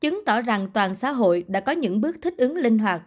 chứng tỏ rằng toàn xã hội đã có những bước thích ứng linh hoạt